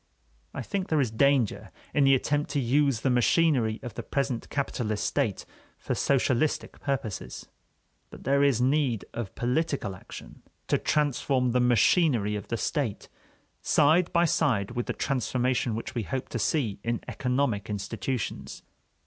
I think there is danger in the attempt to use the machinery of the present capitalist state for socialistic purposes. But there is need of political action to transform the machinery of the state, side by side with the transformation which we hope to see in economic institutions.